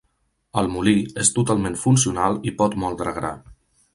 El molí és totalment funcional i pot moldre gra.